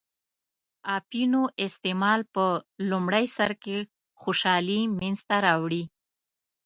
اپینو استعمال په لومړی سر کې خوشحالي منځته راوړي.